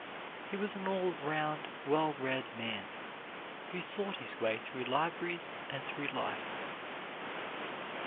He was an all round well read man, who thought his way through libraries and through life.